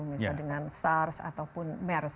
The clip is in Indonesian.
misalnya dengan sars ataupun mers